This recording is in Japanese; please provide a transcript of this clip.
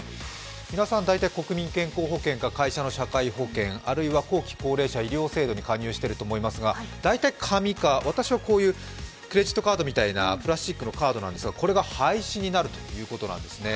皆さん、大体、国民健康保険か会社の医療保険、あるいは後期高齢者医療制度に加入していると思いますが、大体、紙か私はこういうプラスチックのカードなんですが、これが廃止になるということなんですね。